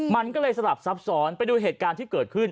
มันก็เลยสลับซับซ้อนไปดูเหตุการณ์ที่เกิดขึ้น